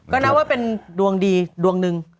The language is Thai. ก็นับว่าเป็นดวงดีดวงหนึ่ง